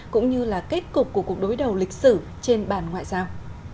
cũng như là kết cục của cuộc đối đầu lịch sử trên bàn ngoại giao